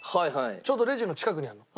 ちょうどレジの近くにあるの。